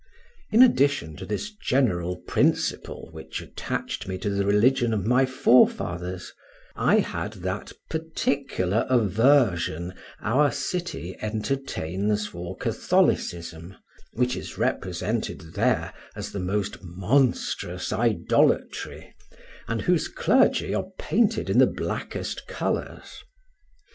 In addition to this general principle which attached me to the religion of my forefathers, I had that particular aversion our city entertains for Catholicism, which is represented there as the most monstrous idolatry, and whose clergy are painted in the blackest colors.